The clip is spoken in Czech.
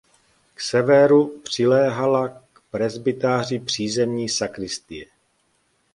Ze severu přiléhala k presbytáři přízemní sakristie.